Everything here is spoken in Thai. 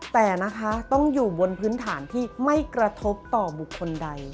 แต่นะคะต้องอยู่บนพื้นฐานที่ไม่กระทบต่อบุคคลใด